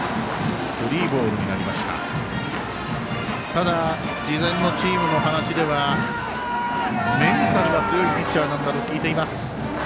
ただ、事前のチームの話ではメンタルは強いピッチャーだと聞いています。